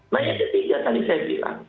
nah yang ketiga tadi saya bilang